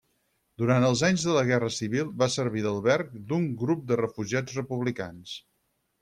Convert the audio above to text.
Durant els anys de la Guerra Civil va servir d'alberg d'un grup de refugiats republicans.